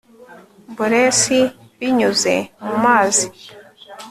bores binyuze mumazi